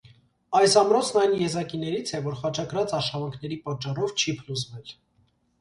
Այս ամրոցն այն եզակիներից է, որ խաչակրաց արշավանքների պատճառով չի փլուզվել։